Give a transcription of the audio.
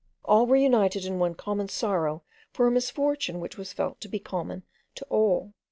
All were united in one common sorrow for a misfortune which was felt to be common to all.